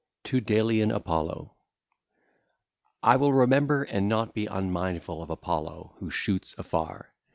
TO DELIAN APOLLO (ll. 1 18) I will remember and not be unmindful of Apollo who shoots afar.